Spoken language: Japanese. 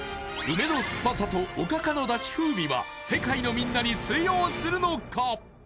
梅の酸っぱさとおかかのだし風味は世界のみんなに通用するのか？